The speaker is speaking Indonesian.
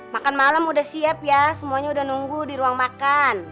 makan malam udah siap ya semuanya udah nunggu di ruang makan